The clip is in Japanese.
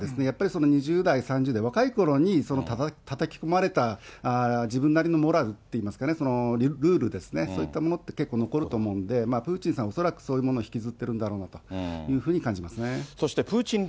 やっぱり２０代、３０代、若いころにたたき込まれた自分なりのモラルっていいますかね、ルールですね、そういったものって、結構残ると思うんで、プーチンさん、恐らくそういうものを引きずっているんだろうなというふうに感じますね。